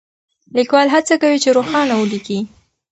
ليکوال هڅه کوي چې روښانه وليکي.